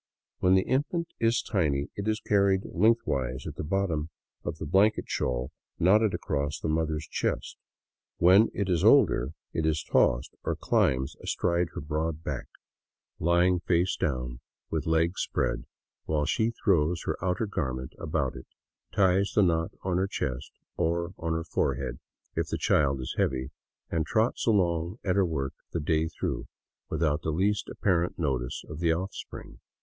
When the infant is tiny, it is carried length wise at the bottom of the blanket shawl knotted across the mother's chest. When it is older, it is tossed or climbs astride her broad back, 150 THE CITY OF THE EQUATOR lying face down, with legs spread, while she throws her outer garment about it, ties the knot on her chest — or on her forehead if the child is heavy — and trots along at her work the day through, without the least apparent notice of the offspring.